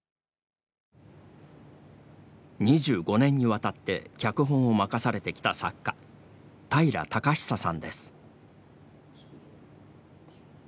２５年にわたって脚本を任されてきた作家平良隆久さんです。